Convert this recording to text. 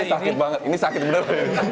ini sakit banget ini sakit bener